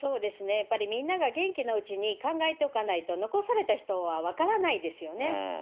やっぱりみんなが元気なうちに考えておかないと、残された人は分からないですよね。